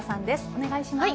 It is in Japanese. お願いします。